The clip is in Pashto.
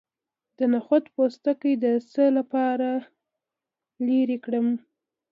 د نخود پوستکی د څه لپاره لرې کړم؟